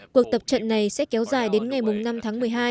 cuộc tập trận này sẽ kéo dài đến ngày năm tháng một mươi hai